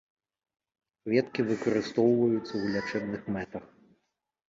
Кветкі выкарыстоўваюцца ў лячэбных мэтах.